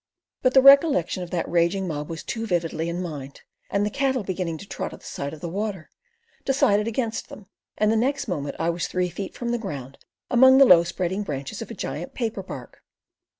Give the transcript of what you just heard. But the recollection of that raging mob was too vividly in mind, and the cattle beginning to trot at the sight of the water, decided against them, and the next moment I was three feet from the ground, among the low spreading branches of a giant Paper bark.